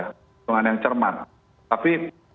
kebijakan yang cermat tapi